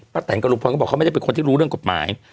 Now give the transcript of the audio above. แตนกับลุงพลก็บอกเขาไม่ได้เป็นคนที่รู้เรื่องกฎหมาย